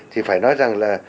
thì phải nói rằng là